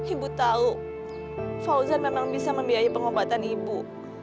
ibu tahu fauzan memang bisa membiayai pengobatan ibu